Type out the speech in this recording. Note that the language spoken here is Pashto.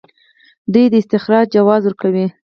دوی د استخراج جواز ورکوي.